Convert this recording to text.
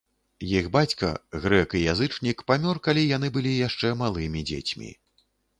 Іх бацька, грэк і язычнік, памёр калі яны былі яшчэ малымі дзецьмі.